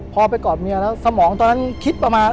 พอกอดเมียแล้วสมองตอนนั้นคิดมา